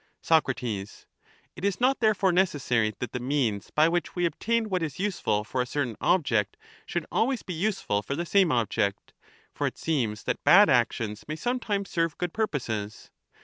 Soc. It is not therefore necessary that the means by which we obtain what is useful for a certain object should always be useful for the same object : for it seems that bad actions may sometimes serve good purposes?